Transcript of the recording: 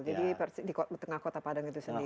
jadi di tengah kota padang itu sendiri